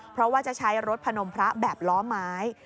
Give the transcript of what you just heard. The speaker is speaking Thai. เพราะว่าจะใช้รถพนมพระแบบล้อไม้